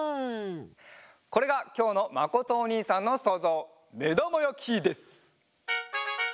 これがきょうのまことおにいさんのそうぞう「めだまやき」です！